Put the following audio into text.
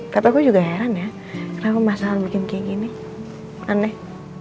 tapi aku juga heran ya kenapa masalah bikin kayak gini aneh